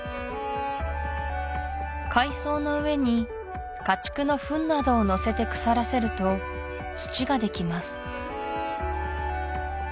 海藻の上に家畜のフンなどをのせて腐らせると土ができます